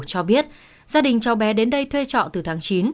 cho biết gia đình cháu bé đến đây thuê trọ từ tháng chín